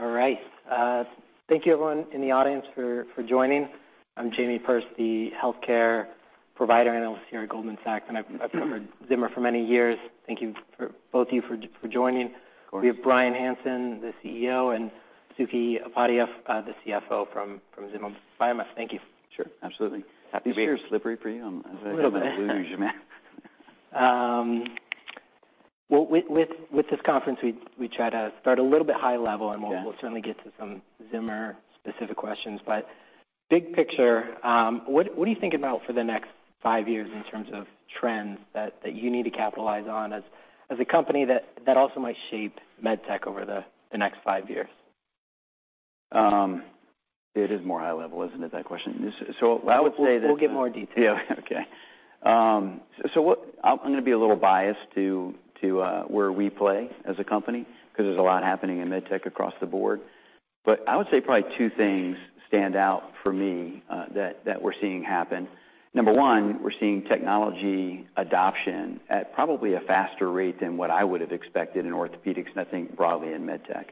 All right. All right. Thank you everyone in the audience for joining. I'm Jami Rubin, the healthcare provider analyst here at Goldman Sachs. I've covered Zimmer Biomet for many years. Thank you for both of you for joining. We have Bryan Hanson, the CEO, and Suketu Upadhyay, the CFO from Zimmer Biomet. Thank you. Sure, absolutely. Happy to be here. These chairs slippery for you? A little bit. Well, with this conference we try to start a little bit high level. Yeah... and we'll certainly get to some Zimmer specific questions. Big picture, what are you thinking about for the next five years in terms of trends that you need to capitalize on as a company that also might shape med tech over the next five years? It is more high level, isn't it, that question? I would say. We'll get more detail. Yeah. Okay. I'm gonna be a little biased to where we play as a company, because there's a lot happening in med tech across the board. I would say probably two things stand out for me that we're seeing happen. Number one, we're seeing technology adoption at probably a faster rate than what I would've expected in orthopedics, I think broadly in med tech.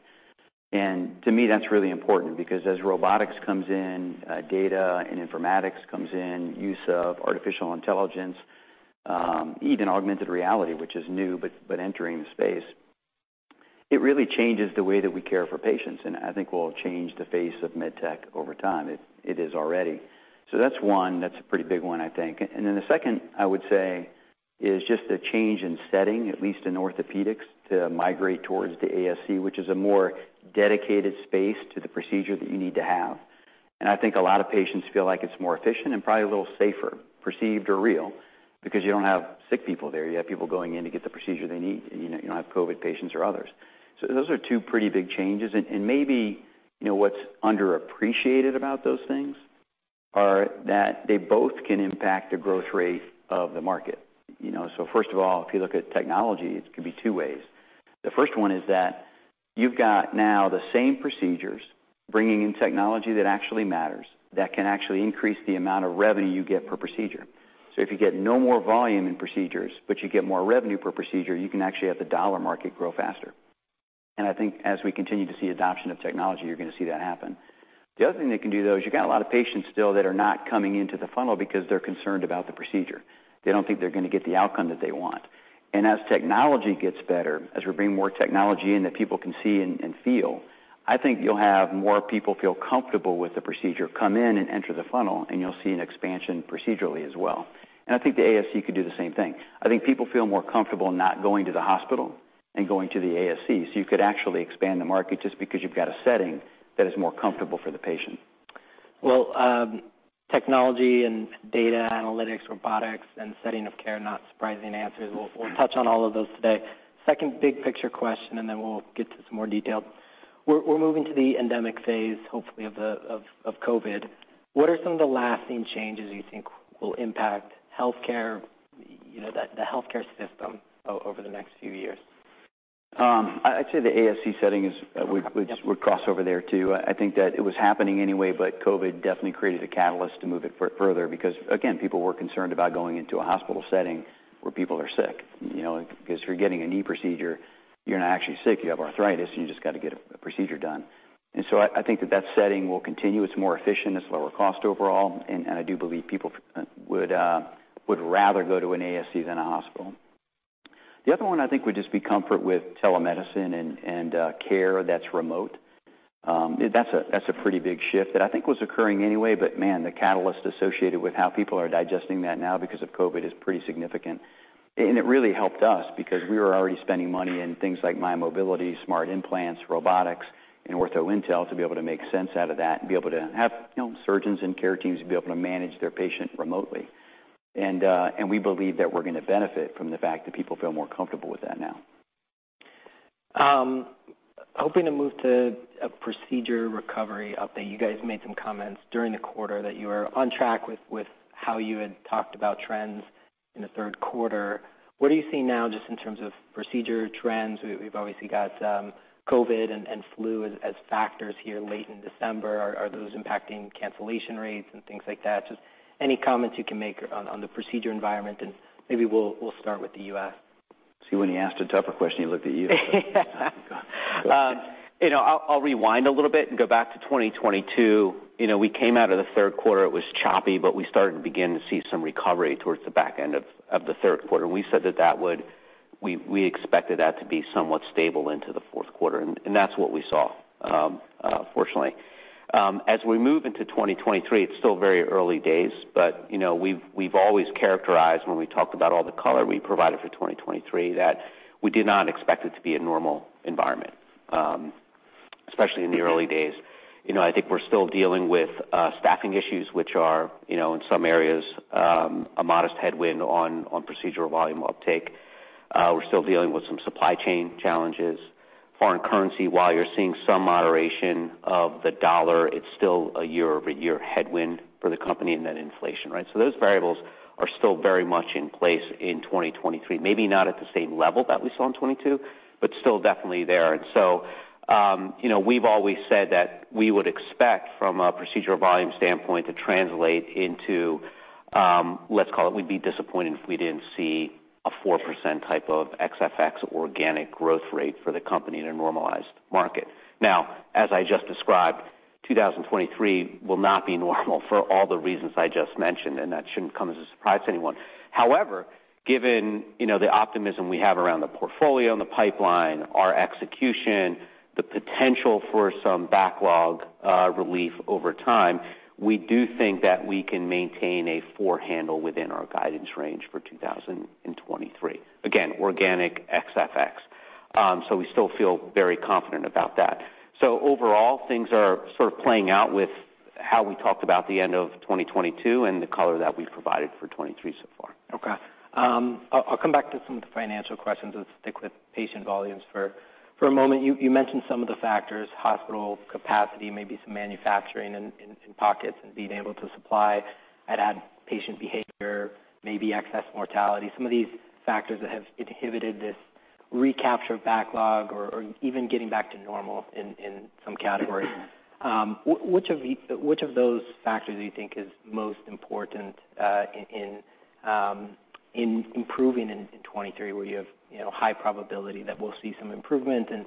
To me, that's really important because as robotics comes in, data and informatics comes in, use of artificial intelligence, even augmented reality, which is new but entering the space, it really changes the way that we care for patients, I think will change the face of med tech over time. It is already. That's one. That's a pretty big one I think. Then the 2nd I would say is just a change in setting, at least in orthopedics, to migrate towards the ASC, which is a more dedicated space to the procedure that you need to have. I think a lot of patients feel like it's more efficient and probably a little safer, perceived or real, because you don't have sick people there. You have people going in to get the procedure they need, and you know, you don't have COVID patients or others. Those are two pretty big changes. Maybe, you know, what's underappreciated about those things are that they both can impact the growth rate of the market, you know. First of all, if you look at technology, it could be two ways. The 1st one is that you've got now the same procedures bringing in technology that actually matters, that can actually increase the amount of revenue you get per procedure. If you get no more volume in procedures, but you get more revenue per procedure, you can actually have the dollar market grow faster. I think as we continue to see adoption of technology, you're gonna see that happen. The other thing that can do, though, is you got a lot of patients still that are not coming into the funnel because they're concerned about the procedure. They don't think they're gonna get the outcome that they want. As technology gets better, as we're bringing more technology in that people can see and feel, I think you'll have more people feel comfortable with the procedure come in and enter the funnel, and you'll see an expansion procedurally as well. I think the ASC could do the same thing. I think people feel more comfortable not going to the hospital and going to the ASC, so you could actually expand the market just because you've got a setting that is more comfortable for the patient. Technology and data analytics, robotics, and setting of care, not surprising answers. We'll touch on all of those today. Second big picture question, we'll get to some more detail. We're moving to the endemic phase, hopefully of COVID. What are some of the lasting changes you think will impact healthcare, you know, the healthcare system over the next few years? I'd say the ASC setting is. Yep... we cross over there, too. I think that it was happening anyway, but COVID definitely created a catalyst to move it further because, again, people were concerned about going into a hospital setting where people are sick, you know. If you're getting a knee procedure, you're not actually sick. You have arthritis, and you just gotta get a procedure done. I think that setting will continue. It's more efficient, it's lower cost overall, and I do believe people would rather go to an ASC than a hospital. The other one I think would just be comfort with telemedicine and care that's remote. That's a pretty big shift that I think was occurring anyway, but man, the catalyst associated with how people are digesting that now because of COVID is pretty significant. It really helped us because we were already spending money in things like mymobility, smart implants, robotics, and OrthoIntel to be able to make sense out of that and be able to have, you know, surgeons and care teams be able to manage their patient remotely. We believe that we're gonna benefit from the fact that people feel more comfortable with that now. Hoping to move to a procedure recovery update. You guys made some comments during the quarter that you are on track with how you had talked about trends in the 3rd quarter. What are you seeing now just in terms of procedure trends? We've obviously got COVID and flu as factors here late in December. Are those impacting cancellation rates and things like that? Just any comments you can make on the procedure environment, and maybe we'll start with the U.S. See, when he asked a tougher question, he looked at you. I'm good. You know, I'll rewind a little bit and go back to 2022. You know, we came out of the 3rd quarter, it was choppy, but we started to begin to see some recovery towards the back end of the 3rd quarter. We said that we expected that to be somewhat stable into the 4th quarter, and that's what we saw, fortunately. As we move into 2023, it's still very early days, but, you know, we've always characterized when we talked about all the color we provided for 2023 that we did not expect it to be a normal environment, especially in the early days. You know, I think we're still dealing with staffing issues, which are, you know, in some areas, a modest headwind on procedural volume uptake. We're still dealing with some supply chain challenges. Foreign currency, while you're seeing some moderation of the dollar, it's still a year-over-year headwind for the company, inflation, right? Those variables are still very much in place in 2023. Maybe not at the same level that we saw in 2022, but still definitely there. You know, we've always said that we would expect from a procedural volume standpoint, let's call it, we'd be disappointed if we didn't see a 4% type of XFX organic growth rate for the company in a normalized market. As I just described, 2023 will not be normal for all the reasons I just mentioned. That shouldn't come as a surprise to anyone. Given, you know, the optimism we have around the portfolio and the pipeline, our execution, the potential for some backlog relief over time, we do think that we can maintain a four handle within our guidance range for 2023. Organic XFX. We still feel very confident about that. Overall, things are sort of playing out with how we talked about the end of 2022 and the color that we've provided for 2023 so far. Okay. I'll come back to some of the financial questions. Let's stick with patient volumes for a moment. You mentioned some of the factors, hospital capacity, maybe some manufacturing in pockets and being able to supply, I'd add patient behavior, maybe excess mortality, some of these factors that have inhibited this recapture backlog or even getting back to normal in some categories. Which of those factors do you think is most important in improving in 2023, where you have, you know, high probability that we'll see some improvement and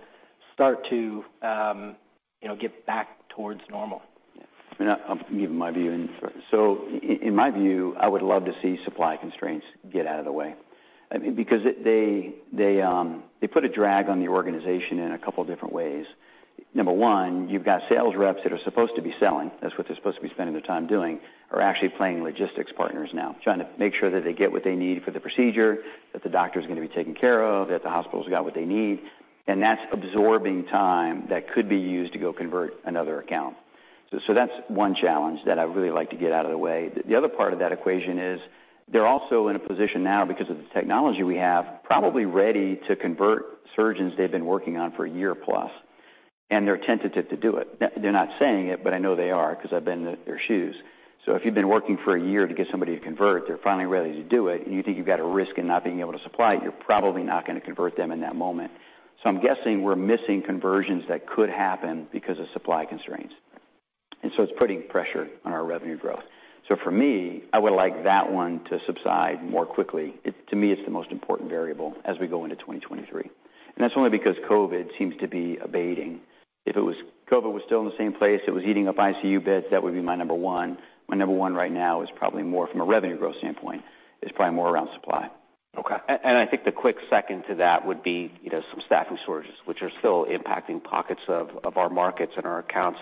start to, you know, get back towards normal? Yeah. I'll give you my view. In my view, I would love to see supply constraints get out of the way. I mean, because they put a drag on the organization in a couple different ways. Number one, you've got sales reps that are supposed to be selling, that's what they're supposed to be spending their time doing, are actually playing logistics partners now, trying to make sure that they get what they need for the procedure, that the doctor's going to be taken care of, that the hospital's got what they need, and that's absorbing time that could be used to go convert another account. That's one challenge that I'd really like to get out of the way. The other part of that equation is they're also in a position now because of the technology we have, probably ready to convert surgeons they've been working on for a year plus, they're tentative to do it. They're not saying it, I know they are because I've been in their shoes. If you've been working for a year to get somebody to convert, they're finally ready to do it, and you think you've got a risk in not being able to supply it, you're probably not gonna convert them in that moment. I'm guessing we're missing conversions that could happen because of supply constraints, it's putting pressure on our revenue growth. For me, I would like that one to subside more quickly. To me, it's the most important variable as we go into 2023, and that's only because COVID seems to be abating. If COVID was still in the same place, it was eating up ICU beds, that would be my number one. My number one right now is probably more from a revenue growth standpoint, is probably more around supply. Okay. I think the quick 2nd to that would be, you know, some staffing sources, which are still impacting pockets of our markets and our accounts.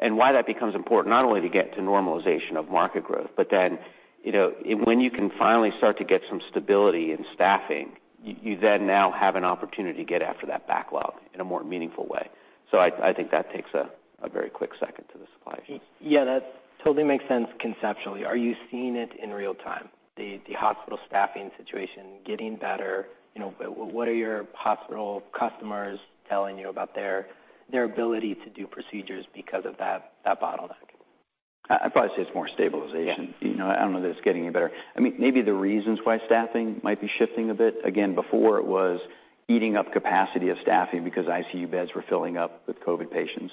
Why that becomes important, not only to get to normalization of market growth, but then, you know, when you can finally start to get some stability in staffing, you then now have an opportunity to get after that backlog in a more meaningful way. I think that takes a very quick 2nd to the supply issue. Yeah, that totally makes sense conceptually. Are you seeing it in real time, the hospital staffing situation getting better? You know, what are your hospital customers telling you about their ability to do procedures because of that bottleneck? I'd probably say it's more stabilization. Yeah. You know, I don't know that it's getting any better. I mean, maybe the reasons why staffing might be shifting a bit, again, before it was eating up capacity of staffing because ICU beds were filling up with COVID patients.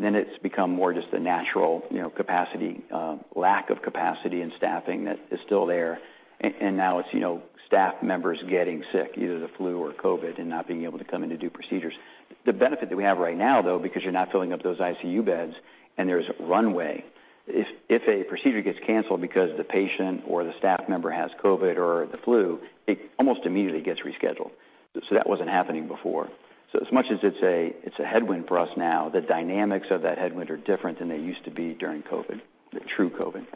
It's become more just the natural, you know, capacity, lack of capacity in staffing that is still there. Now it's, you know, staff members getting sick, either the flu or COVID, and not being able to come in to do procedures. The benefit that we have right now, though, because you're not filling up those ICU beds and there's runway, if a procedure gets canceled because the patient or the staff member has COVID or the flu, it almost immediately gets rescheduled. That wasn't happening before. As much as it's a headwind for us now, the dynamics of that headwind are different than they used to be during COVID, the true COVID.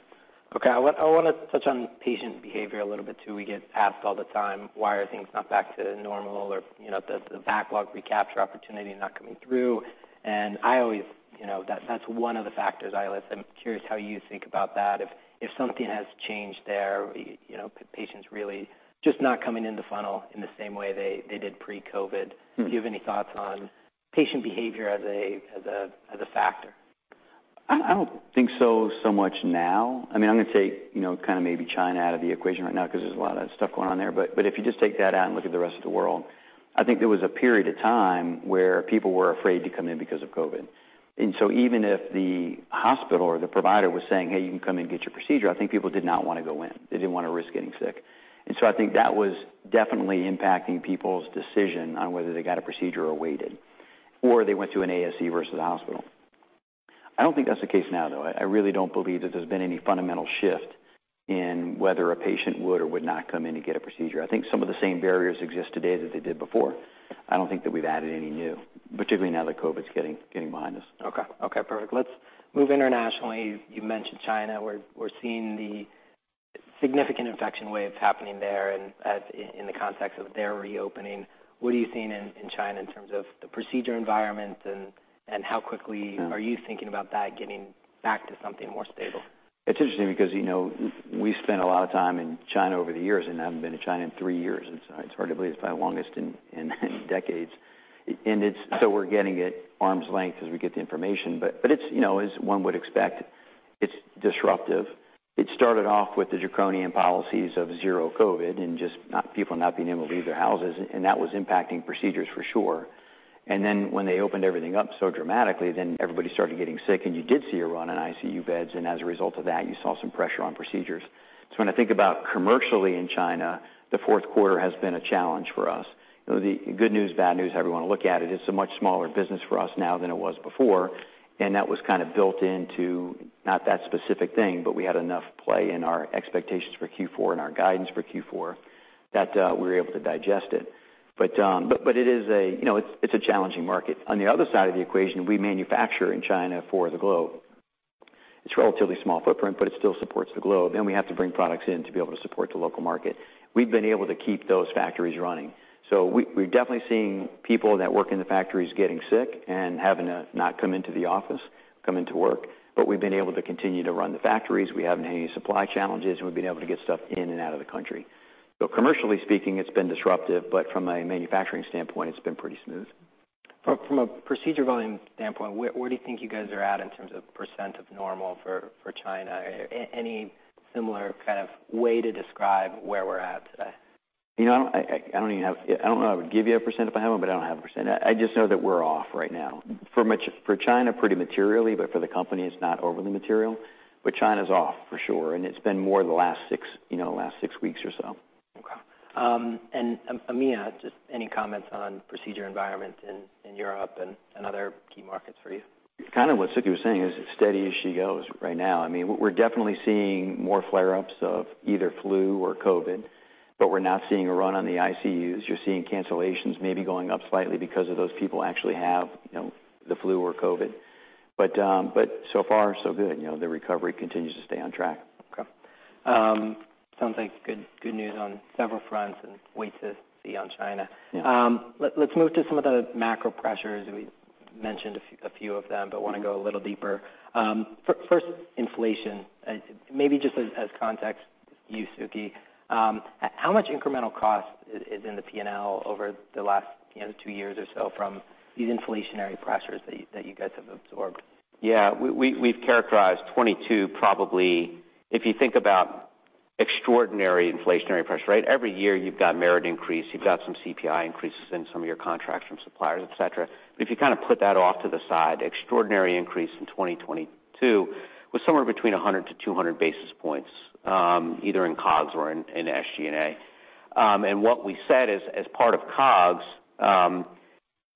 Okay. I wanna touch on patient behavior a little bit too. We get asked all the time, why are things not back to normal or, you know, the backlog recapture opportunity not coming through. I always, you know, that's one of the factors I list. I'm curious how you think about that, if something has changed there, you know, patients really just not coming in the funnel in the same way they did pre-COVID. Mm-hmm. Do you have any thoughts on patient behavior as a factor? I don't think so much now. I mean, I'm gonna take, you know, kind of maybe China out of the equation right now because there's a lot of stuff going on there, but if you just take that out and look at the rest of the world, I think there was a period of time where people were afraid to come in because of COVID. Even if the hospital or the provider was saying, "Hey, you can come in and get your procedure," I think people did not wanna go in. They didn't wanna risk getting sick. I think that was definitely impacting people's decision on whether they got a procedure or waited, or they went to an ASC versus a hospital. I don't think that's the case now, though. I really don't believe that there's been any fundamental shift in whether a patient would or would not come in to get a procedure. I think some of the same barriers exist today that they did before. I don't think that we've added any new, particularly now that COVID's getting behind us. Okay. Okay, perfect. Let's move internationally. You mentioned China, where we're seeing the significant infection waves happening there and as in the context of their reopening. What are you seeing in China in terms of the procedure environment and how quickly are you thinking about that getting back to something more stable? It's interesting because, you know, we've spent a lot of time in China over the years, and I haven't been to China in three years. It's hard to believe it's probably longest in decades. We're getting it arm's length as we get the information. It's, you know, as one would expect, it's disruptive. It started off with the draconian policies of zero COVID and just people not being able to leave their houses, and that was impacting procedures for sure. When they opened everything up so dramatically, then everybody started getting sick, and you did see a run on ICU beds, and as a result of that, you saw some pressure on procedures. When I think about commercially in China, the 4th quarter has been a challenge for us. You know, the good news, bad news, however you wanna look at it's a much smaller business for us now than it was before, and that was kind of built into not that specific thing, but we had enough play in our expectations for Q4 and our guidance for Q4 that, we were able to digest it. But it is a, you know, it's a challenging market. On the other side of the equation, we manufacture in China for the globe. It's a relatively small footprint, it still supports the globe, we have to bring products in to be able to support the local market. We've been able to keep those factories running. We're definitely seeing people that work in the factories getting sick and having to not come into the office, come into work, we've been able to continue to run the factories. We haven't had any supply challenges, we've been able to get stuff in and out of the country. Commercially speaking, it's been disruptive, from a manufacturing standpoint, it's been pretty smooth. From a procedure volume standpoint, where do you think you guys are at in terms percent of normal for China? Any similar kind of way to describe where we're at today? You know, I don't know if I would give you a percent if I have one, but I don't have a percent. I just know that we're off right now. For China, pretty materially, but for the company, it's not overly material. China's off for sure, and it's been more the last six, you know, last six weeks or so. Okay. just any comments on procedure environment in Europe and other key markets for you? Kind of what Suke was saying, it's steady as she goes right now. I mean, we're definitely seeing more flare-ups of either flu or COVID. We're not seeing a run on the ICUs. You're seeing cancellations maybe going up slightly because of those people actually have, you know, the flu or COVID. So far so good. You know, the recovery continues to stay on track. Okay. Sounds like good news on several fronts and wait to see on China. Yeah. Let's move to some of the macro pressures. We mentioned a few of them. Wanna go a little deeper. First, inflation. Maybe just as context, you, Suke, how much incremental cost is in the P&L over the last, you know, two years or so from these inflationary pressures that you guys have absorbed? Yeah. We've characterized 2022 probably, if you think about extraordinary inflationary pressure, right? Every year you've got merit increase, you've got some CPI increases in some of your contracts from suppliers, et cetera. If you kind of put that off to the side, extraordinary increase in 2022 was somewhere basis points, either in COGS or in SG&A. What we said is, as part of COGS,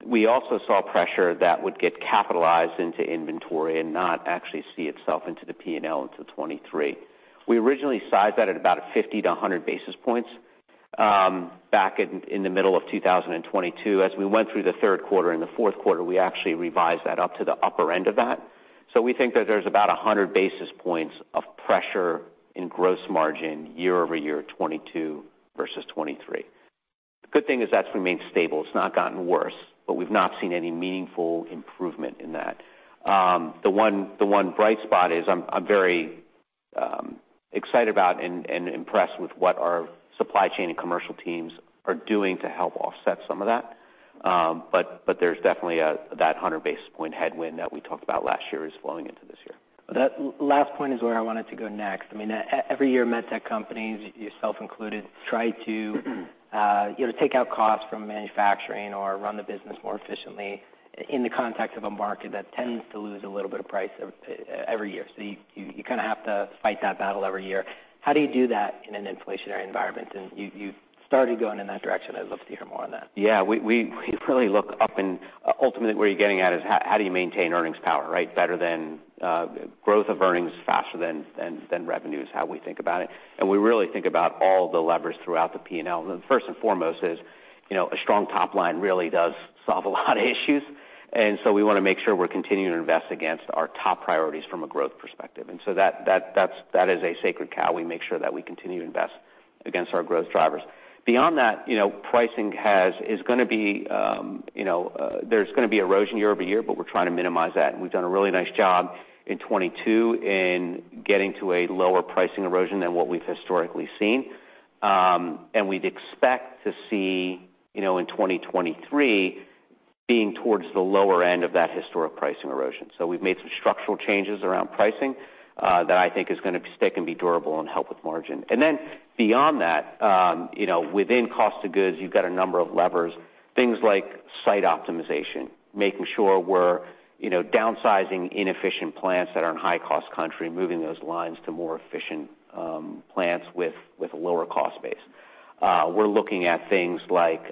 we also saw pressure that would get capitalized into inventory and not actually see itself into the P&L until 2023. We originally sized that at basis points, back in the middle of 2022. As we went through the 3rd quarter and the 4th quarter, we actually revised that up to the upper end of that. We think that there's about basis points of pressure in gross margin year-over-year, 2022 versus 2023. The good thing is that's remained stable. It's not gotten worse, but we've not seen any meaningful improvement in that. The one bright spot is I'm very excited about and impressed with what our supply chain and commercial teams are doing to help offset some of that. But there's definitely that 100 basis points headwind that we talked about last year is flowing into this year. That last point is where I wanted to go next. I mean, every year, med tech companies, yourself included, try to, you know, take out costs from manufacturing or run the business more efficiently in the context of a market that tends to lose a little bit of price every year. You, you kinda have to fight that battle every year. How do you do that in an inflationary environment? You, you've started going in that direction. I'd love to hear more on that. Yeah. We really look up and ultimately, where you're getting at is how do you maintain earnings power, right? Better than growth of earnings faster than revenues, how we think about it. We really think about all the levers throughout the P&L. First and foremost is, you know, a strong top line really does solve a lot of issues. We wanna make sure we're continuing to invest against our top priorities from a growth perspective. That, that's, that is a sacred cow. We make sure that we continue to invest against our growth drivers. Beyond that, you know, pricing is gonna be, you know, there's gonna be erosion year-over-year, but we're trying to minimize that. We've done a really nice job in 2022 in getting to a lower pricing erosion than what we've historically seen. We'd expect to see, you know, in 2023 being towards the lower end of that historic pricing erosion. We've made some structural changes around pricing that I think is gonna stick and be durable and help with margin. Beyond that, you know, within cost of goods, you've got a number of levers, things like site optimization, making sure we're, you know, downsizing inefficient plants that are in high-cost country, moving those lines to more efficient plants with a lower cost base. We're looking at things like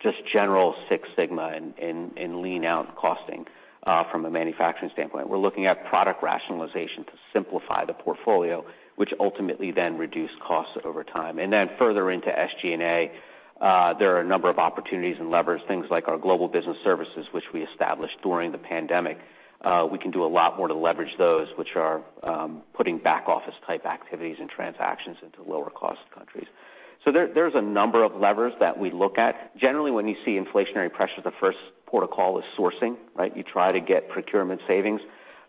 just general Six Sigma and lean out costing from a manufacturing standpoint. We're looking at product rationalization to simplify the portfolio, which ultimately then reduce costs over time. Further into SG&A, there are a number of opportunities and levers, things like our Global Business Services, which we established during the pandemic. We can do a lot more to leverage those, which are putting back office type activities and transactions into lower cost countries. There's a number of levers that we look at. Generally, when you see inflationary pressures, the 1st port of call is sourcing, right? You try to get procurement savings,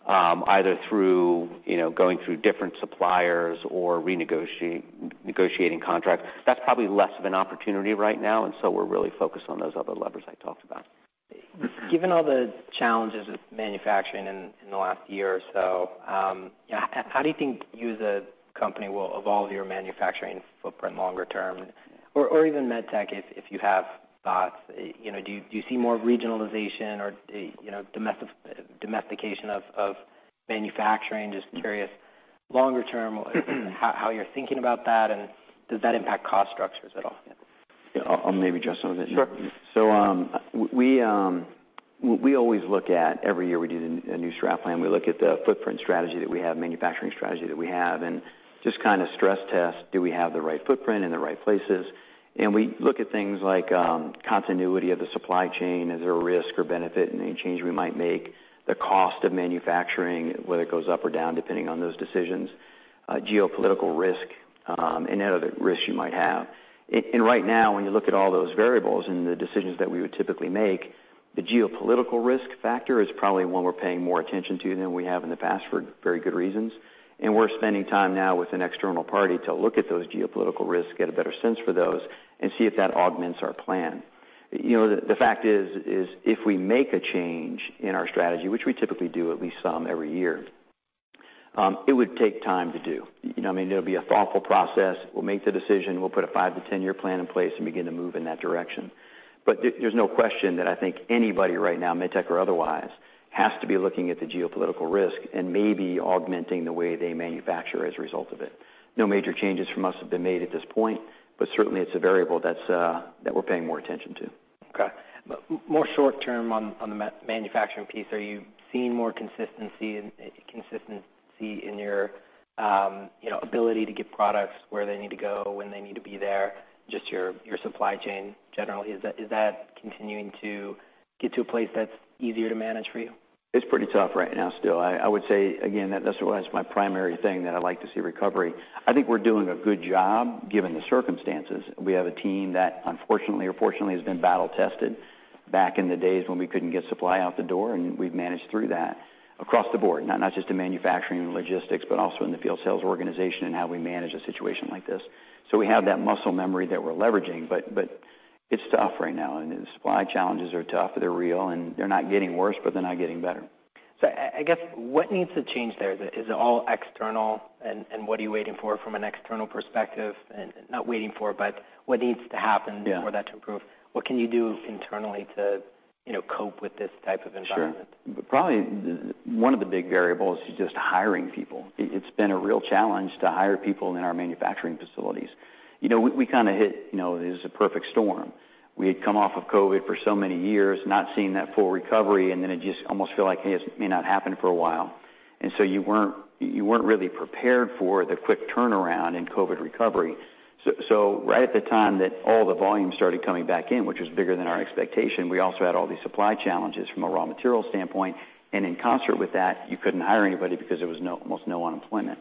either through, you know, going through different suppliers or negotiating contracts. That's probably less of an opportunity right now, and so we're really focused on those other levers I talked about. Given all the challenges with manufacturing in the last year or so, how do you think you as a company will evolve your manufacturing footprint longer term? Or even medtech, if you have thoughts. You know, do you see more regionalization or, you know, domestication of manufacturing? Just curious longer term, how you're thinking about that, and does that impact cost structures at all? I'll maybe address some of it. Sure. We always look at every year we do the, a new strat plan. We look at the footprint strategy that we have, manufacturing strategy that we have, and just kind of stress test, do we have the right footprint in the right places? We look at things like continuity of the supply chain. Is there a risk or benefit in any change we might make? The cost of manufacturing, whether it goes up or down, depending on those decisions, geopolitical risk, any other risks you might have. Right now, when you look at all those variables and the decisions that we would typically make, the geopolitical risk factor is probably one we're paying more attention to than we have in the past, for very good reasons. We're spending time now with an external party to look at those geopolitical risks, get a better sense for those, and see if that augments our plan. You know, the fact is, if we make a change in our strategy, which we typically do at least some every year, it would take time to do. You know what I mean? It'll be a thoughtful process. We'll make the decision. We'll put a 5-10 year plan in place and begin to move in that direction. There's no question that I think anybody right now, med tech or otherwise, has to be looking at the geopolitical risk and maybe augmenting the way they manufacture as a result of it. No major changes from us have been made at this point, but certainly it's a variable that we're paying more attention to. Okay. More short term on the manufacturing piece, are you seeing more consistency in your, you know, ability to get products where they need to go when they need to be there? Just your supply chain generally, is that continuing to get to a place that's easier to manage for you? It's pretty tough right now still. I would say again, that's why it's my primary thing that I like to see recovery. I think we're doing a good job, given the circumstances. We have a team that unfortunately or fortunately, has been battle tested back in the days when we couldn't get supply out the door, and we've managed through that across the board, not just in manufacturing and logistics, but also in the field sales organization and how we manage a situation like this. We have that muscle memory that we're leveraging. It's tough right now, and the supply challenges are tough. They're real, they're not getting worse, but they're not getting better. I guess what needs to change there? Is it all external? And what are you waiting for from an external perspective? But what needs to happen? Yeah for that to improve? What can you do internally to, you know, cope with this type of environment? Sure. Probably one of the big variables is just hiring people. It's been a real challenge to hire people in our manufacturing facilities. You know, we kind of hit, you know, it was a perfect storm. We had come off of COVID for so many years, not seeing that full recovery, then it just almost felt like it may not happen for a while. You weren't really prepared for the quick turnaround in COVID recovery. Right at the time that all the volume started coming back in, which was bigger than our expectation, we also had all these supply challenges from a raw material standpoint. In concert with that, you couldn't hire anybody because there was almost no unemployment.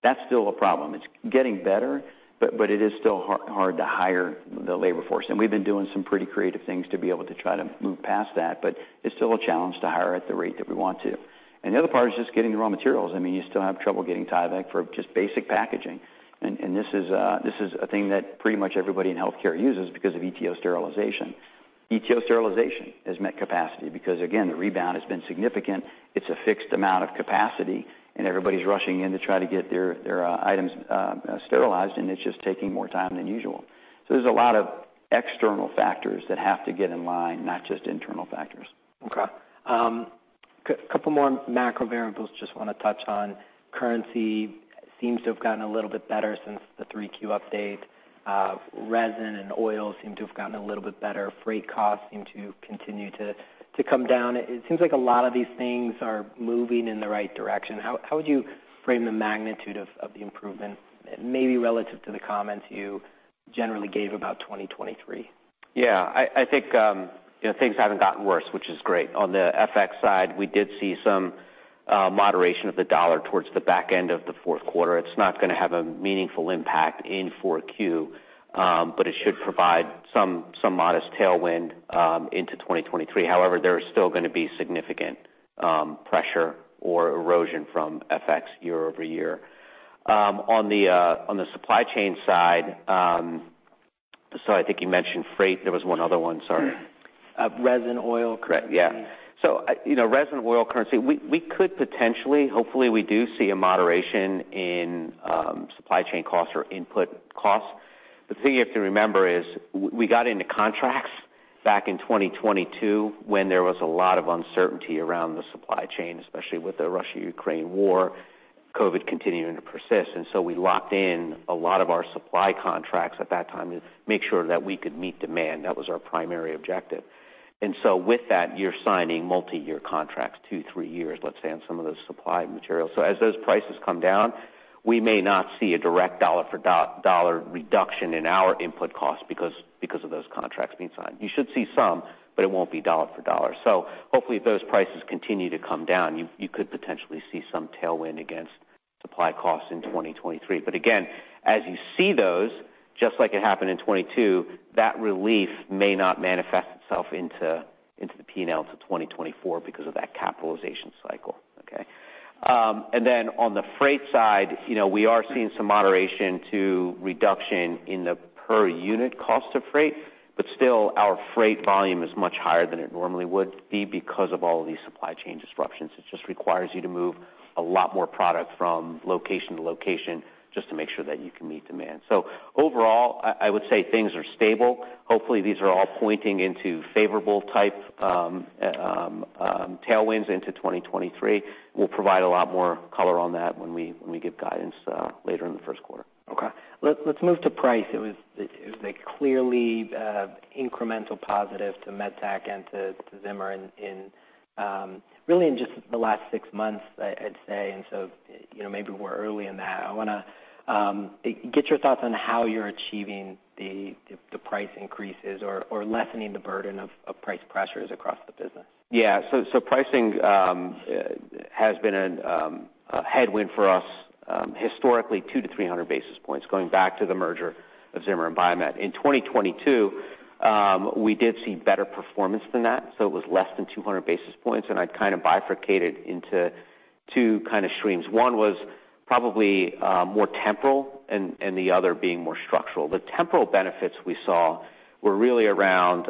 That's still a problem. It's getting better, but it is still hard to hire the labor force. We've been doing some pretty creative things to be able to try to move past that. It's still a challenge to hire at the rate that we want to. The other part is just getting the raw materials. I mean, you still have trouble getting Tyvek for just basic packaging. This is a thing that pretty much everybody in healthcare uses because of EtO sterilization. EtO sterilization has met capacity because, again, the rebound has been significant. It's a fixed amount of capacity, and everybody's rushing in to try to get their items sterilized, and it's just taking more time than usual. There's a lot of external factors that have to get in line, not just internal factors. Couple more macro variables just wanna touch on. Currency seems to have gotten a little bit better since the 3Q update. Resin and oil seem to have gotten a little bit better. Freight costs seem to continue to come down. It seems like a lot of these things are moving in the right direction. How would you frame the magnitude of the improvement, maybe relative to the comments you generally gave about 2023? Yeah, I think, you know, things haven't gotten worse, which is great. On the FX side, we did see some moderation of the dollar towards the back end of the 4th quarter. It's not gonna have a meaningful impact in 4Q, but it should provide some modest tailwind into 2023. However, there is still gonna be significant pressure or erosion from FX year-over-year. On the supply chain side, I think you mentioned freight. There was one other one. Sorry. resin oil. Correct. Yeah. You know, resin oil currency, we could potentially, hopefully we do see a moderation in supply chain costs or input costs. The thing you have to remember is we got into contracts back in 2022 when there was a lot of uncertainty around the supply chain, especially with the Russia-Ukraine war, COVID continuing to persist. We locked in a lot of our supply contracts at that time to make sure that we could meet demand. That was our primary objective. With that, you're signing multi-year contracts, two, three years, let's say, on some of those supply materials. As those prices come down, we may not see a direct dollar for dollar reduction in our input costs because of those contracts being signed. You should see some, but it won't be dollar for dollar. Hopefully, if those prices continue to come down, you could potentially see some tailwind against supply costs in 2023. Again, as you see those, just like it happened in 2022, that relief may not manifest itself into the P&L to 2024 because of that capitalization cycle. Okay? On the freight side, you know, we are seeing some moderation to reduction in the per unit cost of freight. Still our freight volume is much higher than it normally would be because of all of these supply chain disruptions. It just requires you to move a lot more product from location to location just to make sure that you can meet demand. Overall, I would say things are stable. Hopefully these are all pointing into favorable type tailwinds into 2023. We'll provide a lot more color on that when we, when we give guidance later in the 1st quarter. Okay. Let's move to price. It was a clearly incremental positive to MedTech and to Zimmer in really in just the last six months, I'd say. You know, maybe we're early in that. I wanna get your thoughts on how you're achieving the price increases or lessening the burden of price pressures across the business. Yeah. Pricing has been a headwind for basis points going back to the merger of Zimmer and Biomet. In 2022, we did see better performance than that, so it was less than basis points, I'd kind of bifurcated into two kind of streams. One was probably more temporal and the other being more structural. The temporal benefits we saw were really around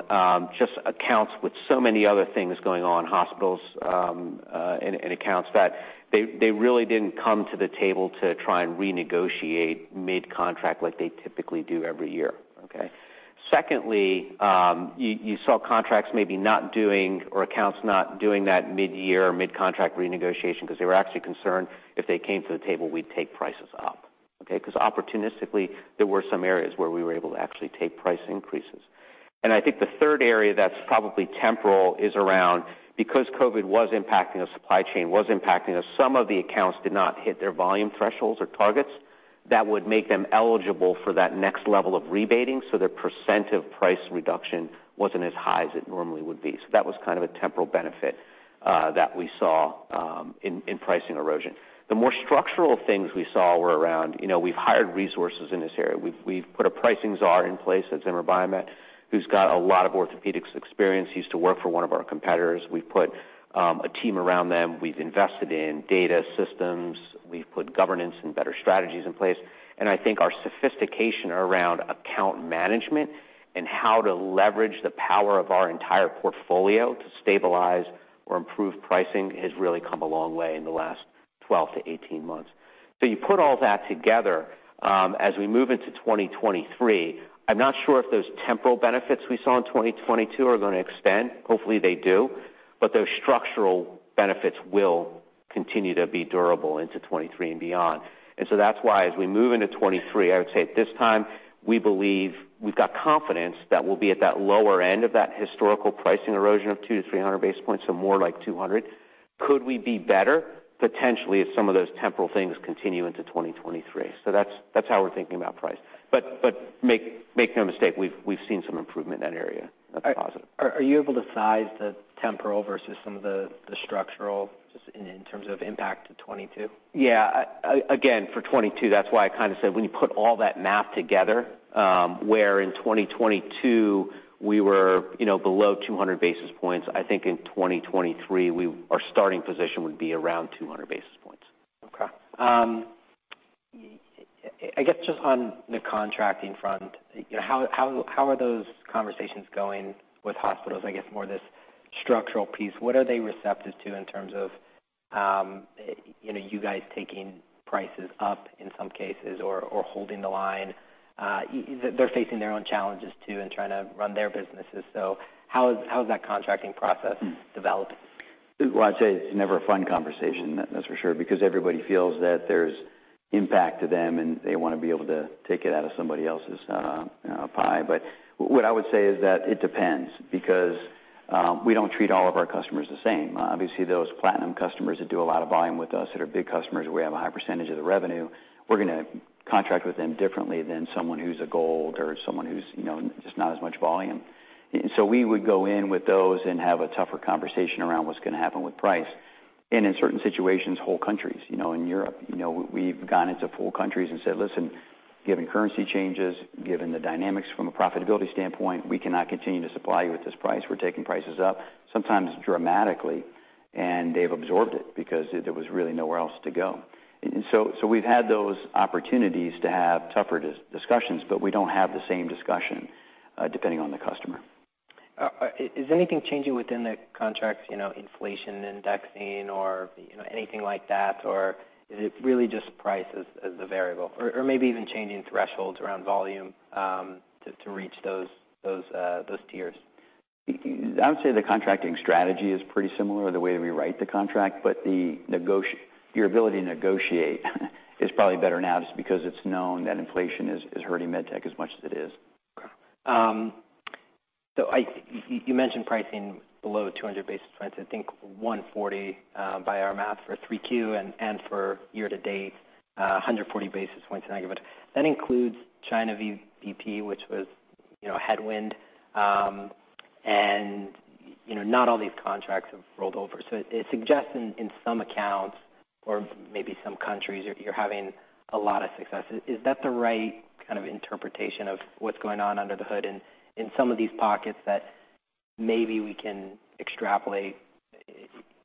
just accounts with so many other things going on, hospitals, and accounts that they really didn't come to the table to try and renegotiate mid-contract like they typically do every year. Okay. Secondly, you saw contracts maybe not doing or accounts not doing that mid-year mid-contract renegotiation because they were actually concerned if they came to the table we'd take prices up, okay. Opportunistically, there were some areas where we were able to actually take price increases. I think the 3rd area that's probably temporal is around because COVID was impacting us, supply chain was impacting us, some of the accounts did not hit their volume thresholds or targets that would make them eligible for that next level of rebating, so their percent of price reduction wasn't as high as it normally would be. That was kind of a temporal benefit that we saw in pricing erosion. The more structural things we saw were around, you know, we've hired resources in this area. We've put a pricing czar in place at Zimmer Biomet, who's got a lot of orthopedics experience. He used to work for one of our competitors. We've put a team around them. We've invested in data systems. We've put governance and better strategies in place. I think our sophistication around account management and how to leverage the power of our entire portfolio to stabilize or improve pricing has really come a long way in the last 12-18 months. You put all that together, as we move into 2023, I'm not sure if those temporal benefits we saw in 2022 are going to extend. Hopefully, they do. Those structural benefits will continue to be durable into 2023 and beyond. That's why as we move into 2023, I would say at this time, we believe we've got confidence that we'll be at that lower end of that historical pricing basis points, so 200 basis points. Could we be better? Potentially, if some of those temporal things continue into 2023. That's how we're thinking about price. Make no mistake, we've seen some improvement in that area. That's a positive. Are you able to size the temporal versus some of the structural just in terms of impact to 2022? Yeah. Again, for 2022, that's why I kind of said when you put all that math together, where in 2022 we were, you know, below basis points, I think in 2023, our starting position would be around 200 basis points. Okay. I guess just on the contracting front, you know, how are those conversations going with hospitals? I guess more this structural piece. What are they receptive to in terms of, you know, you guys taking prices up in some cases or holding the line? They're facing their own challenges too in trying to run their businesses. How is that contracting process developing? Well, I'd say it's never a fun conversation, that's for sure, because everybody feels that there's impact to them, and they want to be able to take it out of somebody else's pie. What I would say is that it depends because we don't treat all of our customers the same. Obviously, those platinum customers that do a lot of volume with us, that are big customers, we have a high percentage of the revenue, we're going to contract with them differently than someone who's a gold or someone who's, you know, just not as much volume. We would go in with those and have a tougher conversation around what's going to happen with price. In certain situations, whole countries. You know, in Europe, you know, we've gone into full countries and said, "Listen, given currency changes, given the dynamics from a profitability standpoint, we cannot continue to supply you with this price. We're taking prices up," sometimes dramatically, and they've absorbed it because there was really nowhere else to go. We've had those opportunities to have tougher discussions, but we don't have the same discussion, depending on the customer. Is anything changing within the contract, you know, inflation indexing or, you know, anything like that? Or is it really just price as the variable? Or maybe even changing thresholds around volume to reach those tiers. I would say the contracting strategy is pretty similar, the way we write the contract, but your ability to negotiate is probably better now just because it's known that inflation is hurting MedTech as much as it is. Okay. You mentioned pricing below basis points. I think 140 basis points by our math for 3Q and for year-to-date, 140 basis points negative. That includes China VBP, which was, you know, a headwind. And, you know, not all these contracts have rolled over. It suggests in some accounts or maybe some countries, you're having a lot of success. Is that the right kind of interpretation of what's going on under the hood in some of these pockets? Maybe we can extrapolate,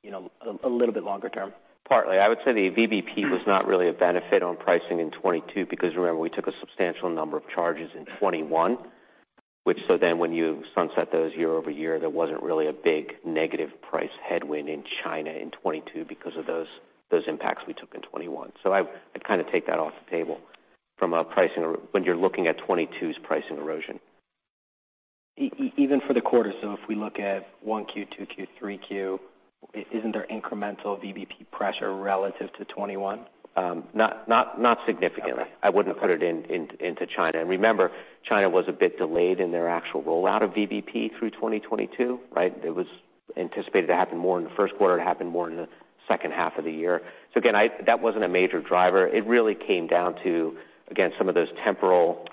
you know, a little bit longer term. Partly. I would say the VBP was not really a benefit on pricing in 2022 because remember, we took a substantial number of charges in 2021, which so then when you sunset those year-over-year, there wasn't really a big negative price headwind in China in 2022 because of those impacts we took in 2021. I'd kinda take that off the table when you're looking at 2022's pricing erosion. Even for the quarter, if we look at 1Q, 2Q, 3Q, isn't there incremental VBP pressure relative to 2021? Not significantly. Okay. Okay. I wouldn't put it into China. Remember, China was a bit delayed in their actual rollout of VBP through 2022, right? It was anticipated to happen more in the 1st quarter. It happened more in the 2nd half of the year. Again, that wasn't a major driver. It really came down to, again, some of those temporal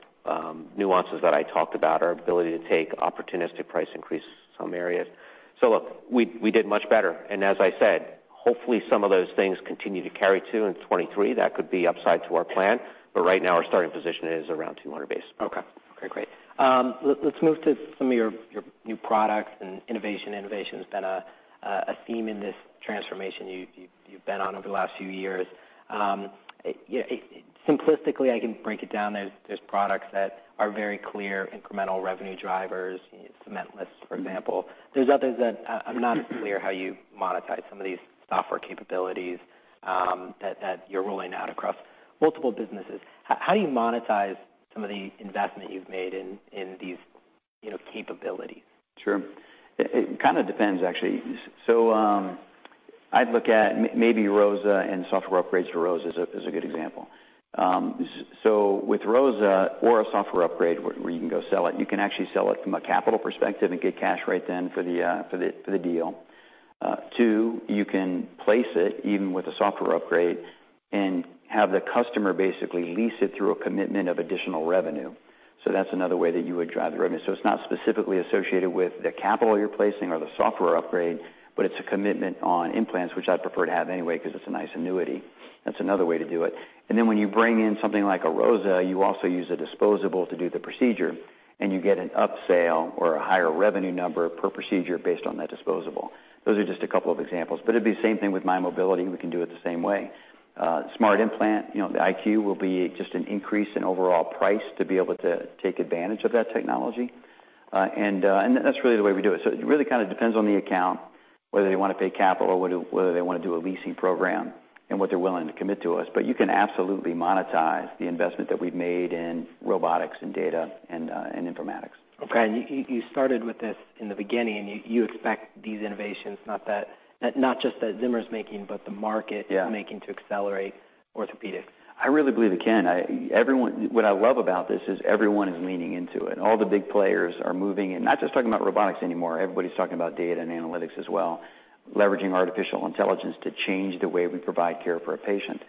nuances that I talked about, our ability to take opportunistic price increases in some areas. Look, we did much better. As I said, hopefully, some of those things continue to carry to in 2023. That could be upside to our plan. Right now, our starting position is around $200 base. Okay. Okay, great. Let's move to some of your new products and innovation. Innovation has been a theme in this transformation you've been on over the last few years. You know, simplistically, I can break it down. There's products that are very clear incremental revenue drivers, cementless, for example. There's others that I'm not clear how you monetize some of these software capabilities, that you're rolling out across multiple businesses. How do you monetize some of the investment you've made in these, you know, capabilities? Sure. It kinda depends actually. I'd look at maybe ROSA and software upgrades for ROSA is a good example. With ROSA or a software upgrade where you can go sell it, you can actually sell it from a capital perspective and get cash right then for the deal. Two, you can place it even with a software upgrade and have the customer basically lease it through a commitment of additional revenue. That's another way that you would drive the revenue. It's not specifically associated with the capital you're placing or the software upgrade, but it's a commitment on implants, which I'd prefer to have anyway 'cause it's a nice annuity. That's another way to do it. Then when you bring in something like a ROSA, you also use a disposable to do the procedure, and you get an up-sale or a higher revenue number per procedure based on that disposable. Those are just a couple of examples. It'd be the same thing with mymobility. We can do it the same way. smart implant, you know, the IQ will be just an increase in overall price to be able to take advantage of that technology. and that's really the way we do it. It really kinda depends on the account, whether they wanna pay capital or whether they wanna do a leasing program and what they're willing to commit to us. You can absolutely monetize the investment that we've made in robotics and data and informatics. Okay. You started with this in the beginning, you expect these innovations, not just that Zimmer's making, but the market-. Yeah ...making to accelerate orthopedics. I really believe it can. What I love about this is everyone is leaning into it. All the big players are moving, and not just talking about robotics anymore. Everybody's talking about data and analytics as well, leveraging artificial intelligence to change the way we provide care for a patient.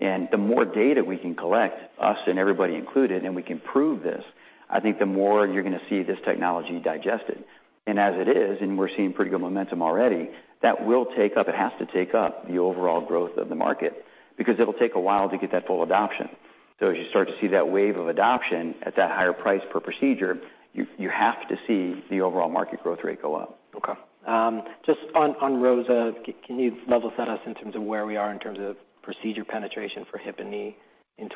The more data we can collect, us and everybody included, and we can prove this, I think the more you're gonna see this technology digested. As it is, and we're seeing pretty good momentum already, that will take up, it has to take up the overall growth of the market because it'll take a while to get that full adoption. As you start to see that wave of adoption at that higher price per procedure, you have to see the overall market growth rate go up. Okay. just on ROSA, can you level set us in terms of where we are in terms of procedure penetration for hip and knee in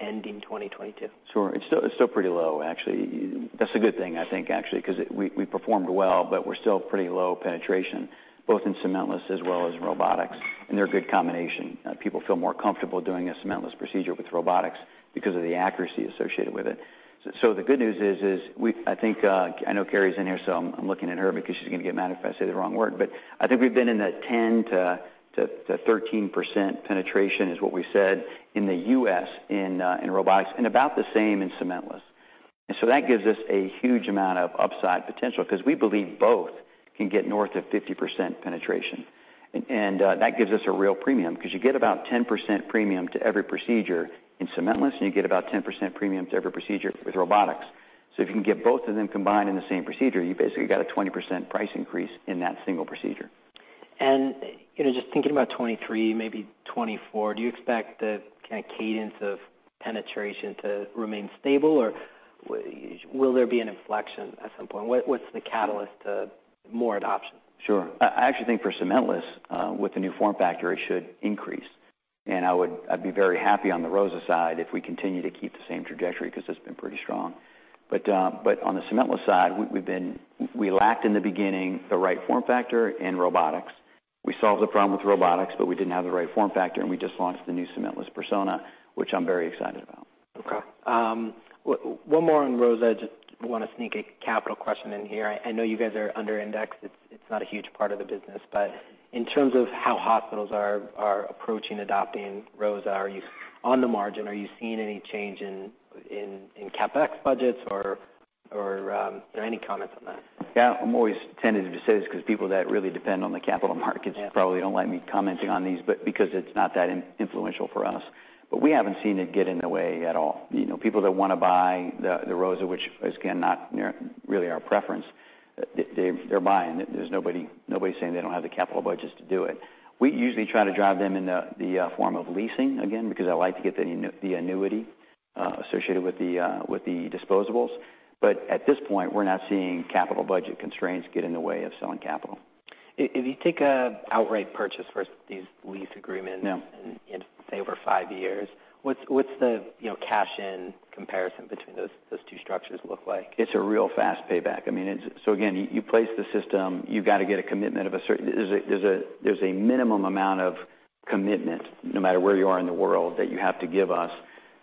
ending 2022? Sure. It's still pretty low, actually. That's a good thing, I think, actually, 'cause we performed well, but we're still pretty low penetration, both in cementless as well as robotics. They're a good combination. People feel more comfortable doing a cementless procedure with robotics because of the accuracy associated with it. So the good news is, I think, I know Carrie's in here, so I'm looking at her because she's gonna get mad if I say the wrong word. I think we've been in the 10%-13% penetration is what we said in the U.S. in robotics, and about the same in cementless. That gives us a huge amount of upside potential because we believe both can get north of 50% penetration. That gives us a real premium because you get about 10% premium to every procedure in cementless, and you get about 10% premium to every procedure with robotics. If you can get both of them combined in the same procedure, you basically got a 20% price increase in that single procedure. You know, just thinking about 2023, maybe 2024, do you expect the kinda cadence of penetration to remain stable, or will there be an inflection at some point? What's the catalyst to more adoption? Sure. I actually think for cementless, with the new form factor, it should increase. I'd be very happy on the ROSA side if we continue to keep the same trajectory because it's been pretty strong. On the cementless side, we lacked in the beginning the right form factor and robotics. We solved the problem with robotics, but we didn't have the right form factor, and we just launched the new cementless Persona, which I'm very excited about. Okay. One more on ROSA. I just wanna sneak a capital question in here. I know you guys are under indexed. It's not a huge part of the business. In terms of how hospitals are approaching adopting ROSA, on the margin, are you seeing any change in CapEx budgets or, are there any comments on that? Yeah. I'm always tentative to say this 'cause people that really depend on the capital markets probably don't like me commenting on these, but because it's not that in-influential for us. We haven't seen it get in the way at all. You know, people that wanna buy the ROSA, which is again, not really our preference, they're buying. There's nobody saying they don't have the capital budgets to do it. We usually try to drive them into the form of leasing again, because I like to get the annuity associated with the disposables. At this point, we're not seeing capital budget constraints get in the way of selling capital. If you take a outright purchase versus these lease agreements. Yeah Say over five years, what's the, you know, cash in comparison between those two structures look like? It's a real fast payback. I mean, you place the system, you've got to get a commitment of a. There's a minimum amount of commitment no matter where you are in the world that you have to give us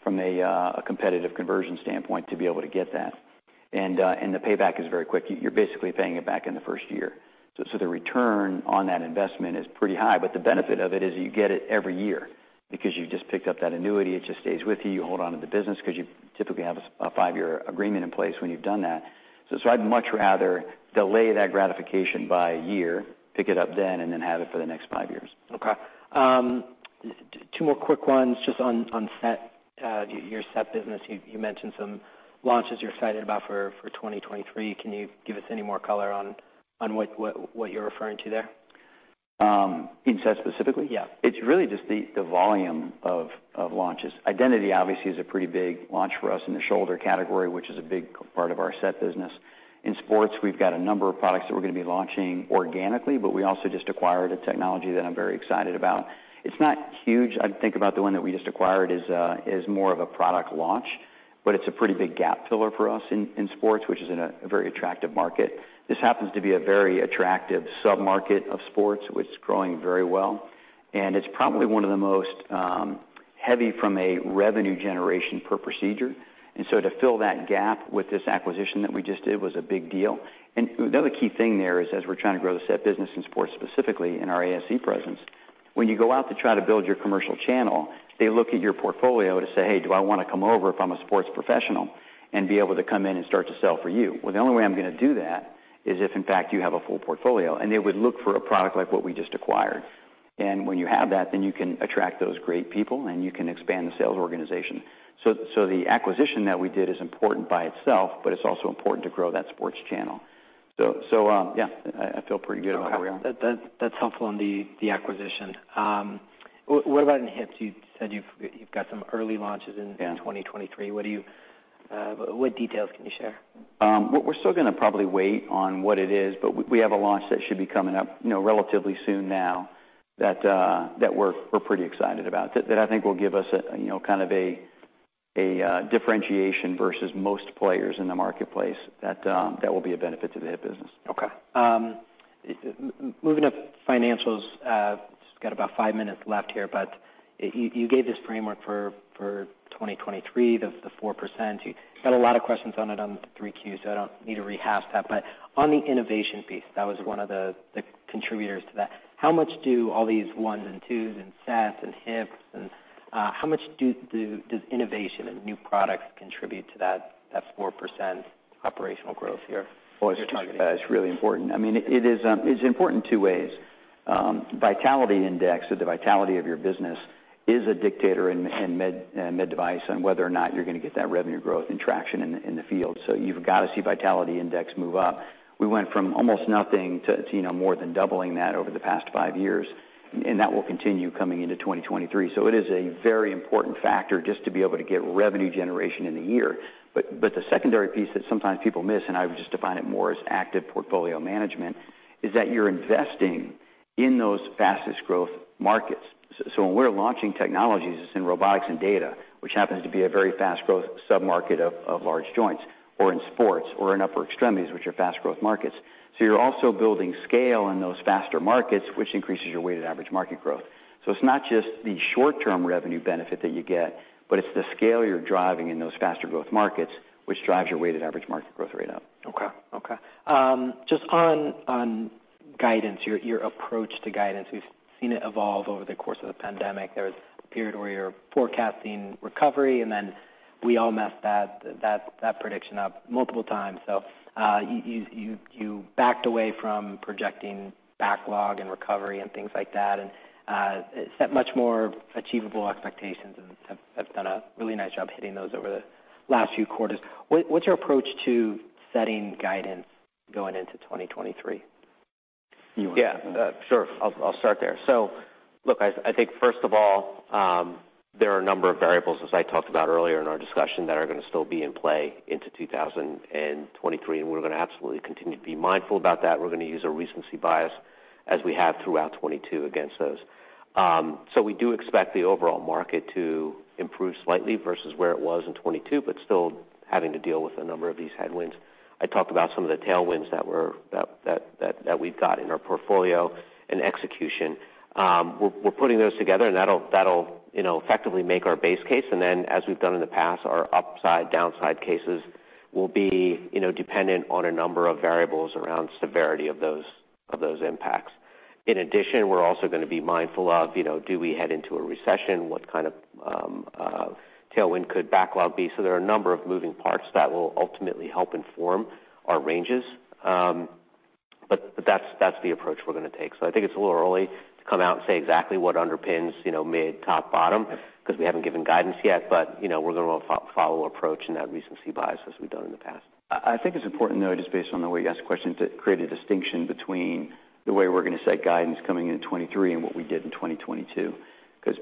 from a competitive conversion standpoint to be able to get that. The payback is very quick. You're basically paying it back in the 1st year. The return on that investment is pretty high, but the benefit of it is you get it every year because you just picked up that annuity. It just stays with you. You hold onto the business because you typically have a five year agreement in place when you've done that. I'd much rather delay that gratification by a year, pick it up then, and then have it for the next five years. Okay. two more quick ones just on SET. your SET business, you mentioned some launches you're excited about for 2023. Can you give us any more color on what you're referring to there? In SET specifically? Yeah. It's really just the volume of launches. Identity obviously is a pretty big launch for us in the shoulder category, which is a big part of our SET business. In sports, we've got a number of products that we're going to be launching organically. We also just acquired a technology that I'm very excited about. It's not huge. I think about the one that we just acquired as more of a product launch. It's a pretty big gap filler for us in sports, which is in a very attractive market. This happens to be a very attractive sub-market of sports, which is growing very well, and it's probably one of the most heavy from a revenue generation per procedure. To fill that gap with this acquisition that we just did was a big deal. The other key thing there is, as we're trying to grow the SET business in sports, specifically in our ASC presence, when you go out to try to build your commercial channel, they look at your portfolio to say, "Hey, do I want to come over if I'm a sports professional and be able to come in and start to sell for you?" Well, the only way I'm going to do that is if, in fact, you have a full portfolio, and they would look for a product like what we just acquired. When you have that, then you can attract those great people, and you can expand the sales organization. The acquisition that we did is important by itself, but it's also important to grow that sports channel. Yeah, I feel pretty good about where we are. That's helpful on the acquisition. What about in hips? You said you've got some early launches. Yeah -2023. What do you, what details can you share? Well, we're still gonna probably wait on what it is, but we have a launch that should be coming up, you know, relatively soon now that we're pretty excited about. That I think will give us a, you know, kind of a differentiation versus most players in the marketplace that will be a benefit to the hip business. Okay. Moving to financials. Just got about 5 min left here, but you gave this framework for 2023, the 4%. You got a lot of questions on it on 3Q, so I don't need to rehash that. On the innovation piece, that was one of the contributors to that. How much do all these ones and twos and sets and hips and, how much does innovation and new products contribute to that 4% operational growth you're targeting? Well, it's really important. I mean, it is, it's important in two ways. Vitality Index or the vitality of your business is a dictator in med device on whether or not you're going to get that revenue growth and traction in the field. You've got to see Vitality Index move up. We went from almost nothing to, you know, more than doubling that over the past five years, and that will continue coming into 2023. It is a very important factor just to be able to get revenue generation in the year. The secondary piece that sometimes people miss, and I would just define it more as active portfolio management, is that you're investing in those fastest growth markets. When we're launching technologies in robotics and data, which happens to be a very fast growth sub-market of large joints or in sports or in upper extremities, which are fast growth markets. You're also building scale in those faster markets, which increases your weighted average market growth. It's not just the short-term revenue benefit that you get, but it's the scale you're driving in those faster growth markets, which drives your weighted average market growth rate up. Okay. Okay. Just on guidance, your approach to guidance, we've seen it evolve over the course of the pandemic. There was a period where you were forecasting recovery, and then we all messed that prediction up multiple times. You backed away from projecting backlog and recovery and things like that and set much more achievable expectations and have done a really nice job hitting those over the last few quarters. What's your approach to setting guidance going into 2023? You wanna take that one? Yeah, sure. I'll start there. Look, I think 1st of all, there are a number of variables, as I talked about earlier in our discussion, that are gonna still be in play into 2023. We're gonna absolutely continue to be mindful about that. We're gonna use a recency bias as we have throughout 2022 against those. We do expect the overall market to improve slightly versus where it was in 2022, but still having to deal with a number of these headwinds. I talked about some of the tailwinds that we've got in our portfolio and execution. We're putting those together, that'll, you know, effectively make our base case. Then, as we've done in the past, our upside, downside cases will be, you know, dependent on a number of variables around severity of those, of those impacts. In addition, we're also gonna be mindful of, you know, do we head into a recession? What kind of tailwind could backlog be? There are a number of moving parts that will ultimately help inform our ranges. That's, that's the approach we're gonna take. I think it's a little early to come out and say exactly what underpins, you know, mid, top, bottom 'cause we haven't given guidance yet. You know, we're gonna follow approach and that recency bias as we've done in the past. I think it's important, though, just based on the way you asked the question, to create a distinction between the way we're gonna set guidance coming into 2023 and what we did in 2022.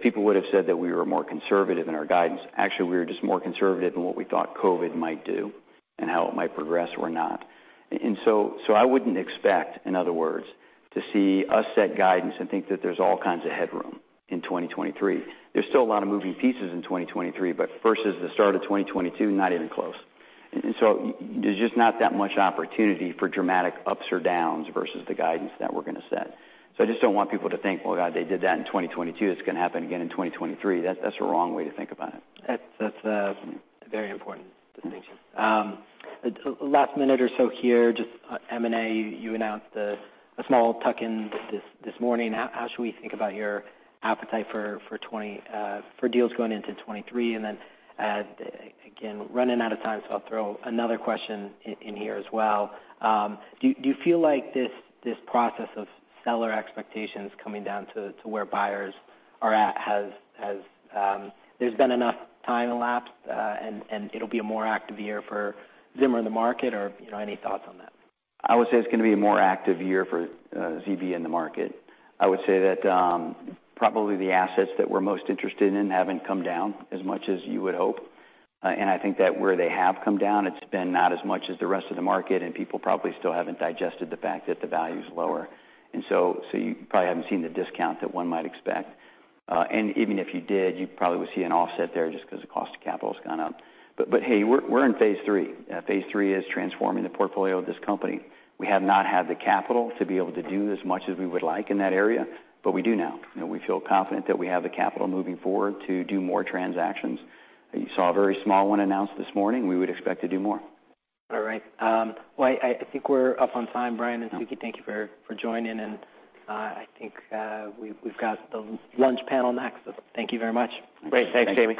People would have said that we were more conservative in our guidance. Actually, we were just more conservative in what we thought COVID might do and how it might progress or not. I wouldn't expect, in other words, to see us set guidance and think that there's all kinds of headroom in 2023. There's still a lot of moving pieces in 2023, but versus the start of 2022, not even close. There's just not that much opportunity for dramatic ups or downs versus the guidance that we're gonna set. I just don't want people to think, "Well, God, they did that in 2022, it's gonna happen again in 2023." That's a wrong way to think about it. That's a very important distinction. Last minute or so here, just M&A, you announced a small tuck-in this morning. How should we think about your appetite for 20-- for deals going into 2023? again, running out of time, so I'll throw another question in here as well. Do you feel like this process of seller expectations coming down to where buyers are at has-- there's been enough time elapsed, and it'll be a more active year for Zimmer in the market, or, you know, any thoughts on that? I would say it's gonna be a more active year for ZBH in the market. I would say that, probably the assets that we're most interested in haven't come down as much as you would hope. I think that where they have come down, it's been not as much as the rest of the market, and people probably still haven't digested the fact that the value's lower. You probably haven't seen the discount that one might expect. Even if you did, you probably would see an offset there just 'cause the cost of capital's gone up. Hey, we're in phase three. Phase three is transforming the portfolio of this company. We have not had the capital to be able to do as much as we would like in that area, but we do now. You know, we feel confident that we have the capital moving forward to do more transactions. You saw a very small one announced this morning. We would expect to do more. All right. Well, I think we're up on time. Bryan and Suke, thank you for joining. I think we've got the lunch panel next. Thank you very much. Great. Thanks, Jami.